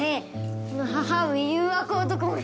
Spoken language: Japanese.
この母上誘惑男め！